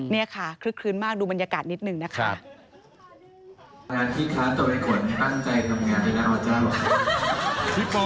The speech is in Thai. นี่ค่ะคลึกคลื้นมากดูบรรยากาศนิดหนึ่งนะคะ